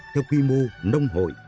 theo quy mô nông hội